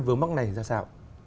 vướng mắt này ra sao